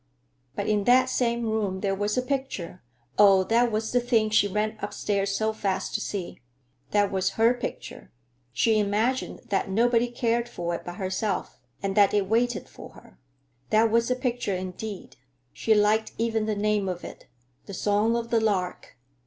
But in that same room there was a picture—oh, that was the thing she ran upstairs so fast to see! That was her picture. She imagined that nobody cared for it but herself, and that it waited for her. That was a picture indeed. She liked even the name of it, "The Song of the Lark."